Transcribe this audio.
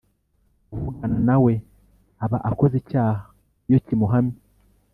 kuvugana na we aba akoze icyaha Iyo kimuhamye